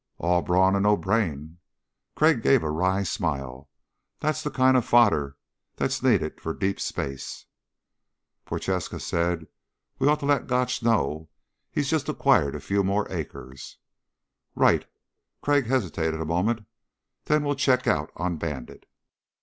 "All brawn and no brain." Crag gave a wry smile. "That's the kind of fodder that's needed for deep space." Prochaska said, "We ought to let Gotch know he's just acquired a few more acres." "Right." Crag hesitated a moment. "Then we'll check out on Bandit."